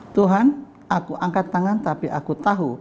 tuhan aku angkat tangan tapi aku tahu